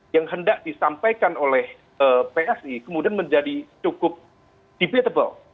yang hendak disampaikan oleh psi kemudian menjadi cukup debatable